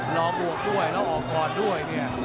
รอบวกด้วยแล้วออกกรด้วย